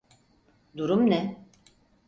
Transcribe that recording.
Durum ne?